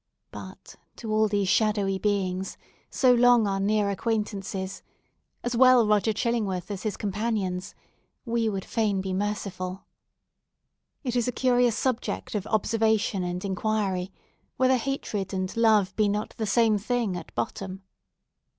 But, to all these shadowy beings, so long our near acquaintances—as well Roger Chillingworth as his companions we would fain be merciful. It is a curious subject of observation and inquiry, whether hatred and love be not the same thing at bottom.